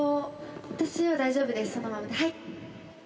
私は大丈夫ですそのままではい。